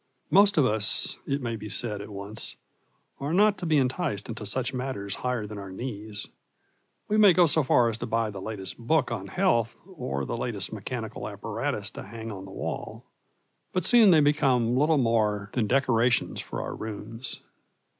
Most of us, it may be said at once, are not to be enticed into such matters higher than our knees. We may go so far as to buy the latest book on health or the latest mechanical apparatus to hang on the wall. But soon they become little more than decorations for our rooms.